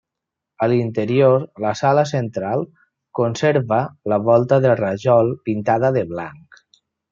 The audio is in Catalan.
A l’interior la sala central conserva la volta de rajol pintada de blanc.